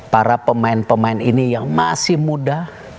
para pemain pemain ini yang masih muda